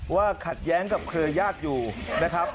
ขัดแย้งกับเครือญาติอยู่นะครับ